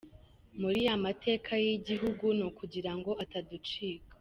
Muri ya mateka y’igihugu ni ukugira ngo ataducika.